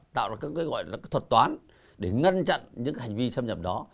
tạo ra các cái gọi là cái thuật toán để ngăn chặn những hành vi xâm nhập đó